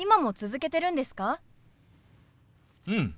うん。